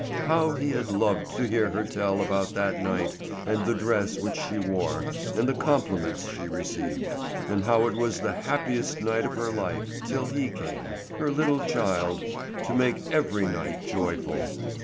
How he had loved to hear her tell about that night, and the dress which she wore, and the compliments she received, and how it was the happiest night of her life, till he came—her little child—to make every night joyful.